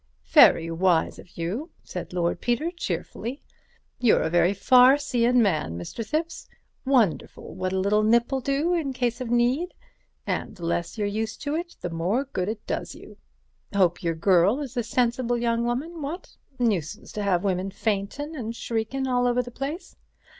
"Very wise of you," said Lord Peter, cheerfully, "you're a very far seein' man, Mr. Thipps. Wonderful what a little nip'll do in case of need, and the less you're used to it the more good it does you. Hope your girl is a sensible young woman, what? Nuisance to have women faintin' and shriekin' all over the place."